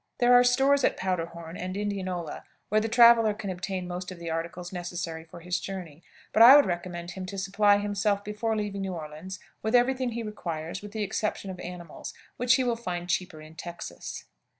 There are stores at Powder horn and Indianola where the traveler can obtain most of the articles necessary for his journey, but I would recommend him to supply himself before leaving New Orleans with every thing he requires with the exception of animals, which he will find cheaper in Texas.